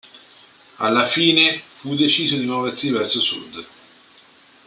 Alla fine fu deciso di muoversi verso sud.